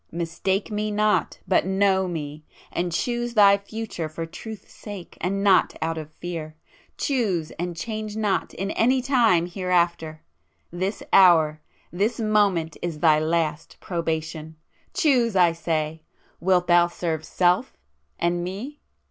Mistake me not, but know me!—and choose thy Future for truth's sake and not out of fear! Choose and change not in any time hereafter,—this hour, this moment is thy last probation,—choose, I say! Wilt thou serve Self and Me?